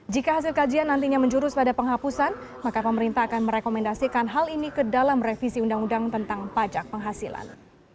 jika hasil kajian nantinya menjurus pada penghapusan maka pemerintah akan merekomendasikan hal ini ke dalam revisi undang undang tentang pajak penghasilan